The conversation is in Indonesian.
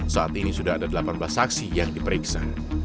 saat ini sudah ada delapan belas saksi yang diperiksa